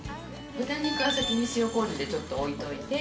豚肉は先に塩こうじでちょっと置いといて。